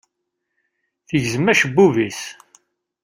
Tegzem acebbub-is.